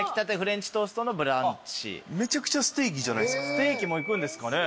ステーキもいくんですかね。